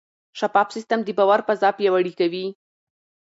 شفاف سیستم د باور فضا پیاوړې کوي.